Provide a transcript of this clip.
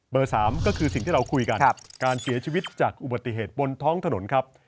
๓ก็คือสิ่งที่เราคุยกันการเสียชีวิตจากอุบัติเหตุบนท้องถนนครับ